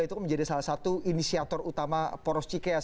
itu kan menjadi salah satu inisiator utama poros cikeas